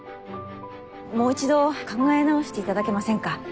もう一度考え直して頂けませんか？